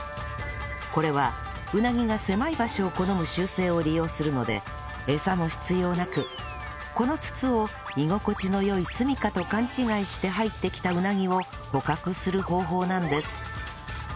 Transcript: これはうなぎが狭い場所を好む習性を利用するのでエサも必要なくこの筒を居心地の良いすみかと勘違いして入ってきたうなぎを捕獲する方法なんです